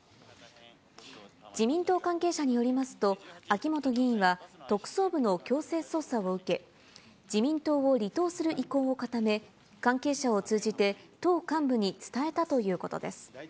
自民党関係者によりますと、秋本議員は特捜部の強制捜査を受け、自民党を離党する意向を固め、関係者を通じて、党幹部に伝えたということです。